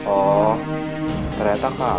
oh ternyata kakak